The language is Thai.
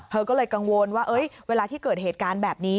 เธอก็เลยกังวลว่าเวลาที่เกิดเหตุการณ์แบบนี้